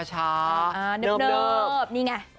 เนิบนี่ไง